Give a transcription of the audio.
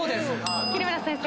桐村先生。